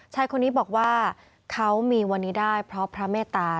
ชายคนนี้บอกว่าเขามีวันนี้ได้เพราะพระเมตตา